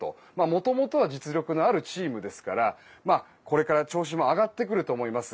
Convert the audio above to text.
もともとは実力のあるチームですからこれから調子も上がってくると思います。